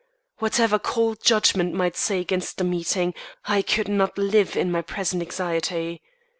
Whatever cold judgment might say against the meeting, I could not live in my present anxiety.